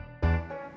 tak ada lagi